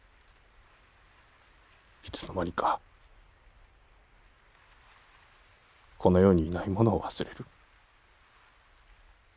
いつの間にかこの世にいない者を忘れる。